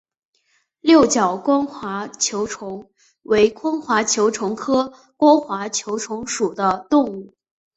六角光滑球虫为光滑球虫科光滑球虫属的动物。